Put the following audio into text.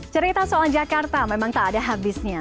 cerita soal jakarta memang tak ada habisnya